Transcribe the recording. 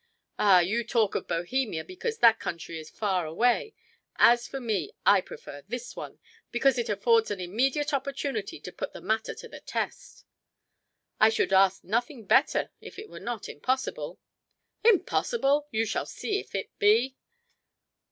"Ah, you talk of Bohemia because that country is far away. As for me, I prefer this one, because it affords an immediate opportunity to put the matter to the test." "I should ask nothing better if it were not impossible." "Impossible! You shall see if it be."